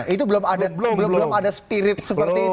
itu belum ada spirit seperti itu